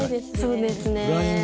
そうですね